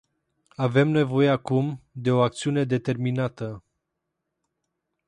Avem nevoie acum de o acțiune determinată.